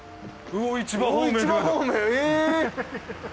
魚市場方面え！